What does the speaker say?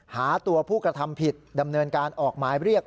หาตัวผู้กระทำผิดดำเนินการออกหมายเรียก